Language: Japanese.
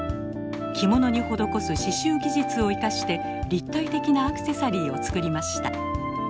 着物に施す刺しゅう技術を生かして立体的なアクセサリーを作りました。